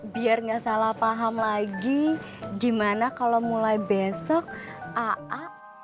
biar gak salah paham lagi gimana kalau mulai besok a'a